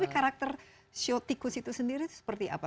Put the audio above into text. jadi karakter show tikus itu sendiri seperti apa